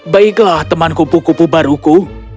baiklah teman kupu kupu baruku